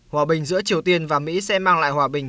hòa bình giữa triều tiên và mỹ sẽ mang lại hòa bình